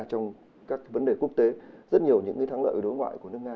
trong các vấn đề quốc tế rất nhiều những thắng lợi đối ngoại của nước nga